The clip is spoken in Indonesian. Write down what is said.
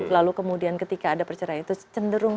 lalu kemudian ketika ada perceraian itu cenderung